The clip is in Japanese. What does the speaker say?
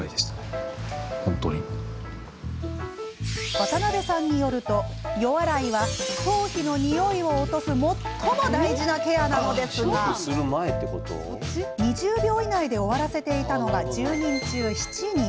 渡邉さんによると、予洗いは頭皮のにおいを落とす最も大事なケアなんですが２０秒以内で終わらせていていたのが１０人中７人。